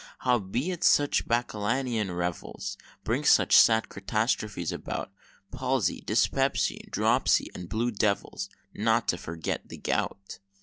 Howbeit, such Bacchanalian revels Bring very sad catastrophes about; Palsy, Dyspepsy, Dropsy, and Blue Devils, Not to forget the Gout.